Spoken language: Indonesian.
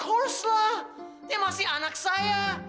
tuh tentu lah dia masih anak saya